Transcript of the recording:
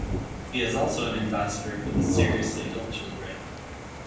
He is also an ambassador for the for seriously ill children.